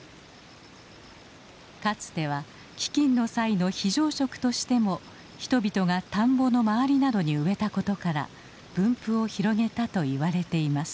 かつては飢きんの際の非常食としても人々が田んぼの周りなどに植えたことから分布を広げたといわれています。